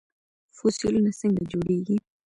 فوسیلونه څنګه جوړیږي؟